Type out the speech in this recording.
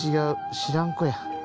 知らん子や。